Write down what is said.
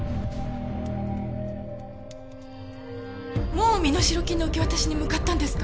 もう身代金の受け渡しに向かったんですか？